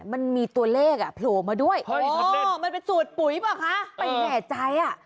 มันมีตัวเลขอ่ะโผล่มาด้วยมันเป็นสูตรปุ๋ยเปล่าคะไปแห่ใจอ่ะ